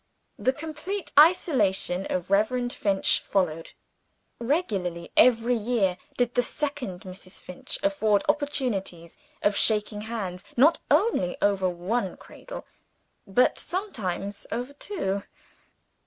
The complete isolation of Reverend Finch followed. Regularly every year did the second Mrs. Finch afford opportunities of shaking hands, not only over one cradle, but sometimes over two.